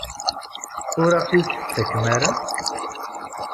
Ur aɣ-t-id-tettakem ara?